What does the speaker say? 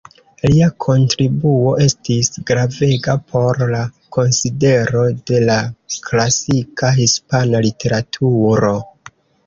Lia kontribuo estis gravega por la konsidero de la klasika hispana literaturo.